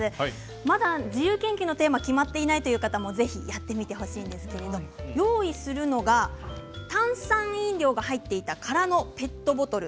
まだ自由研究のテーマが決まっていないという方もぜひやってみてほしいんですけど用意するのが炭酸飲料が入っていた空のペットボトル。